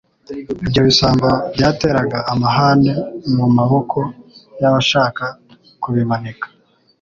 Ibyo bisambo byateraga amahane mu maboko y'abashaka kubimanika;